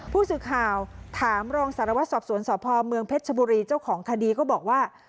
ผู้สื่อข่าวถามรองสารวัตรสอบสวนสพเมืองเพชรชบุรีเจ้าของคดีก็บอกว่า